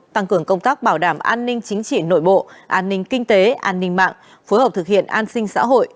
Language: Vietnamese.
tăng cường công tác bảo đảm an ninh chính trị nội bộ an ninh kinh tế an ninh mạng phối hợp thực hiện an sinh xã hội